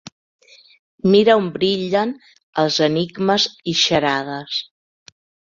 Mira on brillen els enigmes i xarades!